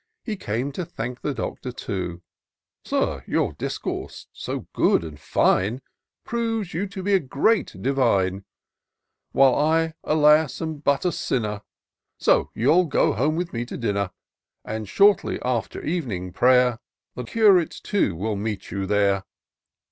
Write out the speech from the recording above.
He came to thank the Doctor too. Sir, your discourse, so good and fine, Proves you to be a great divine, While I, alas ! am but a sinner ; So you'll go home with me to dinner ; IN SEARCH OF THE PICTURESQUE. 253 And, shortly after ev'ning pray'r, The Curate too will meet you there."